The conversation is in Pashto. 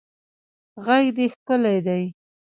غږ دې ښکلی دی